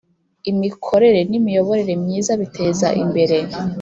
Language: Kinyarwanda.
Imikorere n imiyoborere myiza biteza imbere